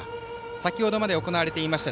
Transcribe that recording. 先程まで行われていました